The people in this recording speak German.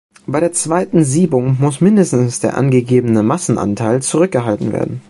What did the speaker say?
Bei der zweiten Siebung muss mindestens der angegebene Massenanteil zurückgehalten werden.